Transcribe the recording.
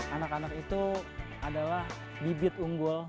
anak anak itu adalah bibit unggul